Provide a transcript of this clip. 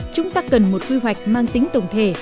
chúng ta cần một quy hoạch mang tính tổng thể